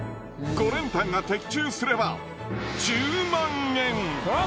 ５連単が的中すれば１０万円！